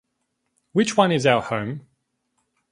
which one is our home?